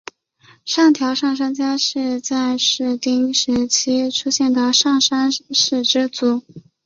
上条上杉家是在室町时代出现的上杉氏支族。